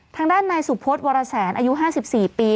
ทางด้านนายสุพศวรแสนอายุ๕๔ปี